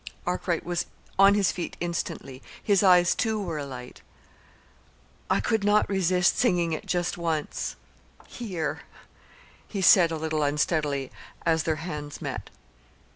Arkwright was on his feet instantly. His eyes, too, were alight. "I could not resist singing it just once here," he said a little unsteadily, as their hands met.